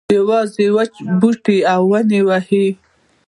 خو یوازې وچ بوټي او ونې یې وهي.